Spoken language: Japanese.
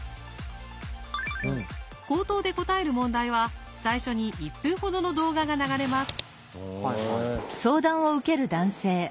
口頭で答える問題は最初に１分ほどの動画が流れます。